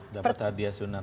dapet hadiah sunat